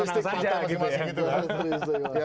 menang menang saja gitu ya